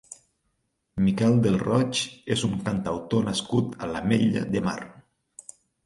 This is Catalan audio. Miquel del Roig és un cantautor nascut a l'Ametlla de Mar.